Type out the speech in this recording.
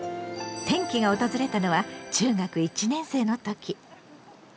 転機が訪れたのは中学１年生の時。